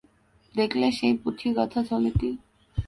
দেখলে সেই পুঁতি-গাঁথা থলিটি।